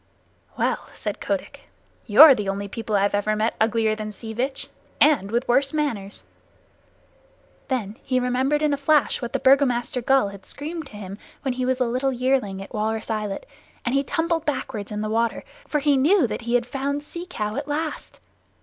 "Well!" said Kotick. "You're the only people I've ever met uglier than Sea Vitch and with worse manners." Then he remembered in a flash what the Burgomaster gull had screamed to him when he was a little yearling at Walrus Islet, and he tumbled backward in the water, for he knew that he had found Sea Cow at last.